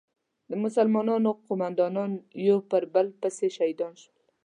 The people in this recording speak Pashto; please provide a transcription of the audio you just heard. د مسلمانانو قومندانان یو په بل پسې شهیدان شول.